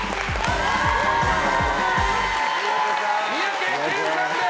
三宅健さんです！